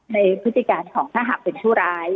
ในพฤติศาสตร์ของถ้าหักเป็นผู้ร้าย